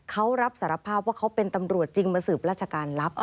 เขารับสารภาพว่าเขาเป็นตำรวจจริงมาสืบราชการรับ